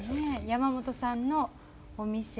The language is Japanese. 山本さんのお店。